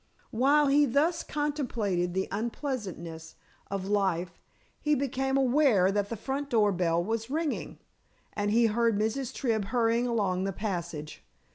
While he thus contemplated the unpleasantness of life he became aware that the front door bell was ringing, and he heard Mrs. Tribb hurrying along the passage.